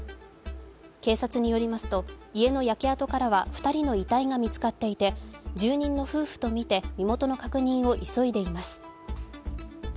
警察によりますと家の焼け跡からは２人の遺体が見つかっていて住人の夫婦とみて身元の確認を急いでいます。